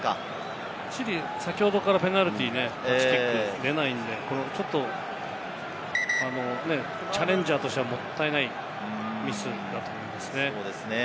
先ほどから、チリ、ペナルティーでタッチキックでないんで、チャレンジャーとしては、もったいないミスだと思いますね。